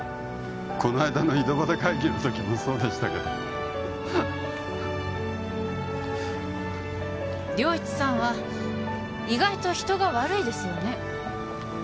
こないだの井戸端会議のときもそうでしたけど良一さんは意外と人が悪いですよね